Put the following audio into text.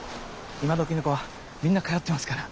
今どきの子はみんな通ってますから。